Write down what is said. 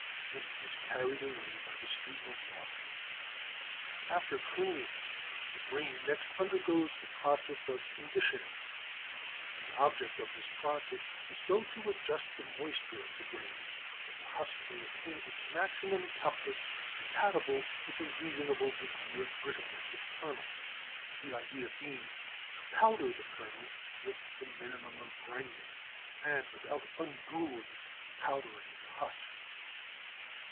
This is carried away by the stream of water. After cleaning the grain next undergoes the process of conditioning. The object of this process is so to adjust the moisture of the grain that the husk may attain its maximum toughness compatible with a reasonable degree of brittleness of kernel, the idea being to powder the kernel with the minimum of grinding and without unduly powdering the husk.